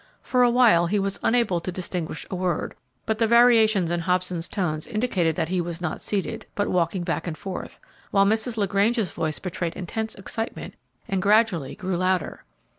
For a while he was unable to distinguish a word, but the variations in Hobson's tones indicated that he was not seated, but walking back and forth, while Mrs. LaGrange's voice betrayed intense excitement and gradually grew louder.